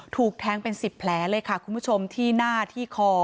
ถูกแทงเป็น๑๐แผลเลยค่ะคุณผู้ชมที่หน้าที่คอ